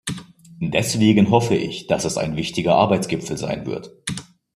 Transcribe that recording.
Deswegen hoffe ich, dass es ein wichtiger Arbeitsgipfel sein wird.